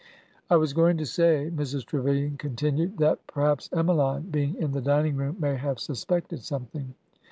" I was going to say," Mrs. Trevilian continued, that perhaps Emmeline, being in the dining room, may have suspected something.